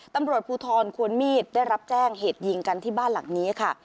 ตำรวจภูทรควรมีดได้รับแจ้งเหตุยิงกันที่บ้านหลังนี้ค่ะ